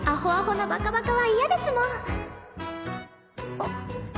あっ。